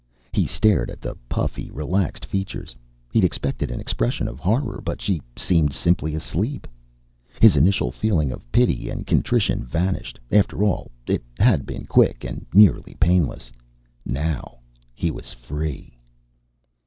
He stared at the puffy, relaxed features; he'd expected an expression of horror, but she seemed simply asleep. His initial feeling of pity and contrition vanished; after all, it had been quick and nearly painless. Now he was free!